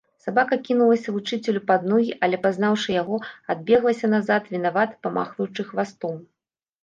Сабака кінулася вучыцелю пад ногі, але, пазнаўшы яго, адбеглася назад, вінавата памахваючы хвастом.